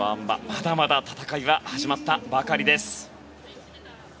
まだまだ戦いは始まったばかりです。